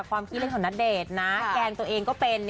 ความคิดเล่นของณเดชน์นะแกงตัวเองก็เป็น